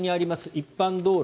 一般道路